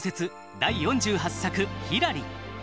第４８作「ひらり」。